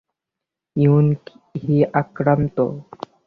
Yoon Hee আক্রান্ত।